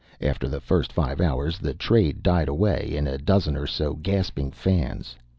After the first five hours the trade died away in a dozen or so gasping fans.